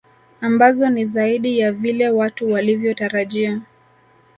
Ambazo ni zaidi ya vile watu walivyotarajia